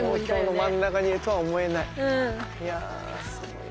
いやすごいな。